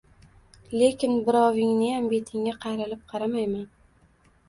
Lekin birovingniyam betingga qayrilib qaramayman!